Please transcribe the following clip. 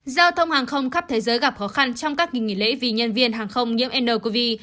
giao thông hàng không khắp thế giới gặp khó khăn trong các kỳ nghỉ lễ vì nhân viên hàng không nhiễm ncov